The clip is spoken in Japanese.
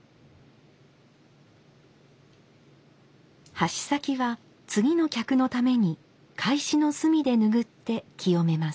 箸先は次の客のために懐紙の隅でぬぐって清めます。